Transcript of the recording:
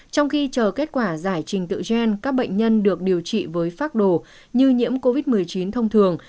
trong khi chờ kết quả giải trình tự gen các bệnh nhân được điều trị với phác đồ như nhiễm covid một mươi chín thông thường